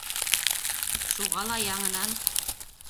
Шуға ла яңынан: